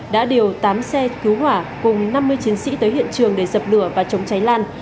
đã điều tám xe cứu hỏa cùng năm mươi chiến sĩ tới hiện trường để dập lửa và chống cháy lan